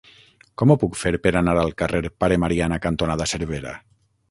Com ho puc fer per anar al carrer Pare Mariana cantonada Cervera?